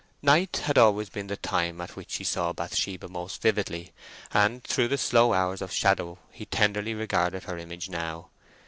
Night had always been the time at which he saw Bathsheba most vividly, and through the slow hours of shadow he tenderly regarded her image now.